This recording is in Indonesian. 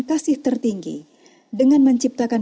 kasih tertinggi dengan menciptakan